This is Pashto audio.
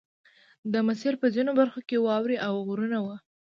د مسیر په ځینو برخو کې واورې او غرونه وو